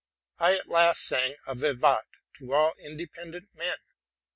I at last sang a vivat to all independent men.